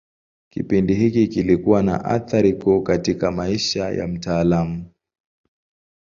Kipindi hiki kilikuwa na athira kuu katika maisha ya mtaalamu.